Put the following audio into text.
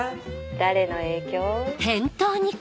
誰の影響？